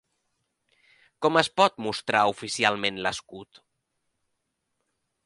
Com es pot mostrar oficialment l'escut?